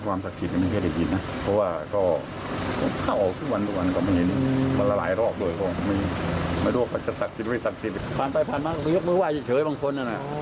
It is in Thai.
พันธุ์ไปพันธุ์มามึงยกมือวายเฉยยาวบางคน